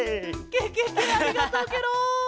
ケケケありがとうケロ！